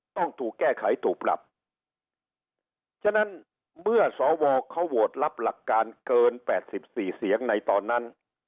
ตอนนั้นเมื่อสวเขาโหวตรับหลักการเกิน๘๔เสียงในตอนนั้น